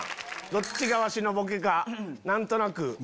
どっちがワシのボケか何となく。